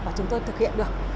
và chúng tôi thực hiện được